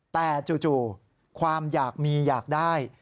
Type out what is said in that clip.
แต่จู่ความอยากมีอยากได้